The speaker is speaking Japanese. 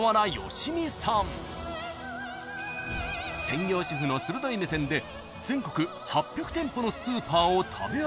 ［専業主婦の鋭い目線で全国８００店舗のスーパーを食べ歩き］